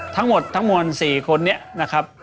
ทั้งหมด๔คนเนี่ยนะครับ